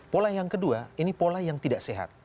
pola yang kedua ini pola yang tidak sehat